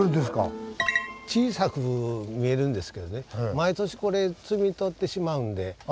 毎年これ摘み取ってしまうんで。